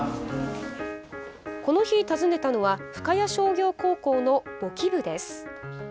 この日、訪ねたのは深谷商業高校の簿記部です。